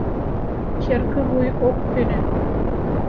— Черкывуй ок кӧнӧ.